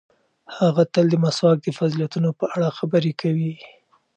هغه تل د مسواک د فضیلتونو په اړه خبرې کوي.